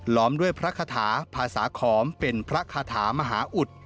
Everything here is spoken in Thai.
ด้วยพระคาถาภาษาขอมเป็นพระคาถามหาอุทธิ